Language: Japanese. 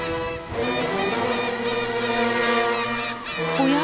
おや？